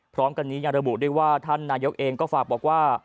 พร้อมกันนี้ยังระบุด้วยว่าท่านนายกเองก็ฝากบอกว่า